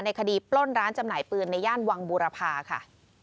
คดีปล้นร้านจำหน่ายปืนในย่านวังบูรพาค่ะ